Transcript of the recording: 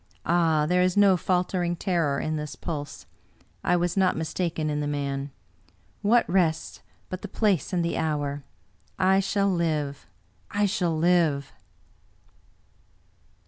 " Ah, there is no faltering terror in this pulse ! I was not mistaken in the man. What rests, but the place and the hour? — I shall live, I shall live!"